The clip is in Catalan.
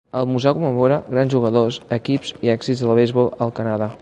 El museu commemora grans jugadors, equips i èxits del beisbol al Canadà.